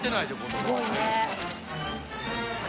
・すごいね。